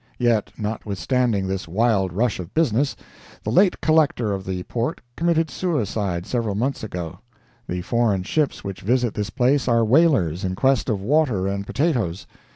Yet, notwithstanding this wild rush of business, the late Collector of the port committed suicide several months ago. The foreign ships which visit this place are whalers in quest of water and potatoes.